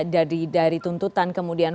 dari tuntutan kemudian